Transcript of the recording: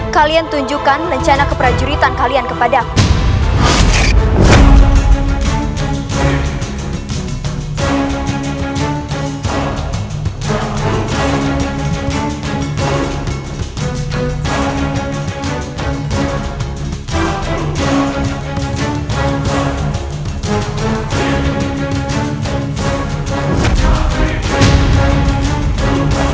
kalian tunjukkan rencana keprajuritan kalian kepada aku